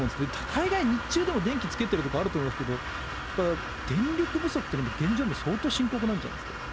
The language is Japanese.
大概日中でも電気つけてるとこあると思いますけど、やっぱり電力不足って、現状で相当深刻なんじゃないんですか。